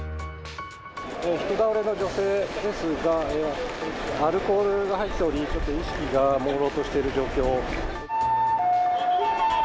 人倒れの女性ですが、アルコールが入っており、ちょっと意識がもうろうとしている状況。